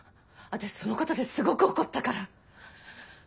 私そのことですごく怒ったから。